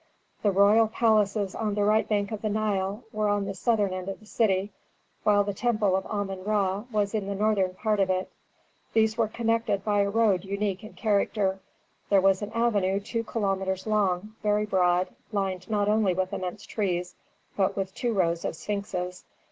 The royal palaces on the right bank of the Nile were on the southern end of the city, while the temple of Amon Ra was in the northern part of it. These were connected by a road unique in character. This was an avenue two kilometres long, very broad, lined not only with immense trees, but with two rows of sphinxes.